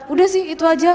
udah sih itu aja